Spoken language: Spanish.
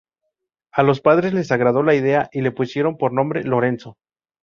A los padres les agradó la idea y le pusieron por nombre Lorenzo.